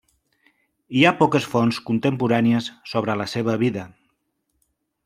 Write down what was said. Hi ha poques fonts contemporànies sobre la seva vida.